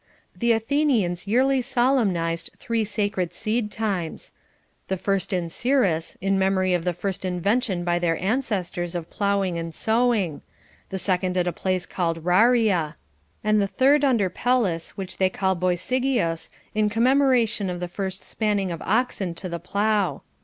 The Athenians yearly solemnized three sacred seed times : the first in Scirus, in memory of the first invention by their ancestors of ploughing and sowing ; the second at a place called Rharia ; and the third under Pelis, which they call Βονζνγυον in commemoration of the first spanning of oxen to the plough.